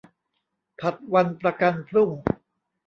ผัดวันประกันพรุ่ง